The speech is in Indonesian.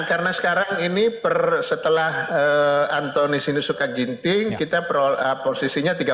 karena sekarang ini setelah antoni sinusuka ginting kita posisinya tiga puluh empat ya